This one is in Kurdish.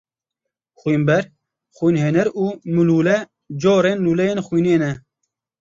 Xwînber, xwînhêner û mûlûle corên lûleyên xwînê ne.